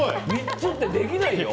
３つってできないよ！